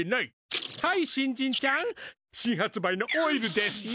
はい新人ちゃん新発売のオイルですよ。